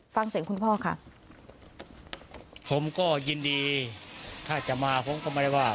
ฟังเสียงคุณพ่อค่ะผมก็ยินดีถ้าจะมาผมก็ไม่ได้ว่า